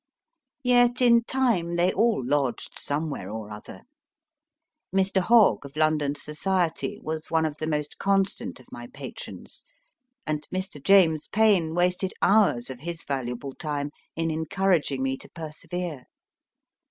Yet in time they all lodged somewhere or other. Mr. Hogg, of London Society , was one of the most constant of my patrons, and Mr. James Payn wasted hours of his valuable time in en couraging me to persevere.